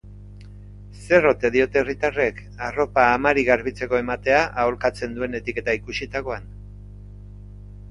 Zer ote diote herritarrek arropa amari garbitzeko ematea aholkatzen duen etiketa ikusitakoan?